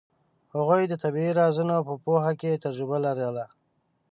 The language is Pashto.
هغوی د طبیعي رازونو په پوهه کې تجربه لرله.